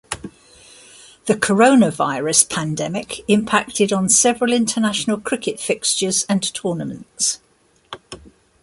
The coronavirus pandemic impacted on several international cricket fixtures and tournaments.